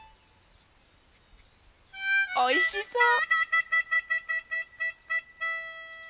おいしそう！